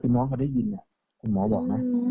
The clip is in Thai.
พี่น้องเค้าได้ยินม้องบอก